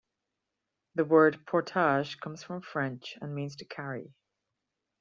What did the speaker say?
The word "portage" comes from French and means "to carry".